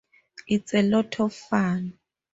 It's a lot of fun.